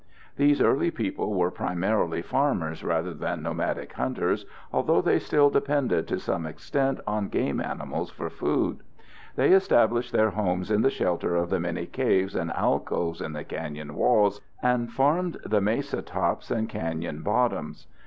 These early people were primarily farmers rather than nomadic hunters, although they still depended to some extent on game animals for food. They established their homes in the shelter of the many caves and alcoves in the canyon walls, and farmed the mesa tops and canyon bottoms.